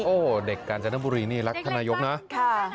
โอ้โหเด็กกาญจนบุรีนี่รักท่านนายกนะ